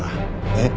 えっ？